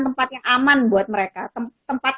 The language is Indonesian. tempat yang aman buat mereka tempat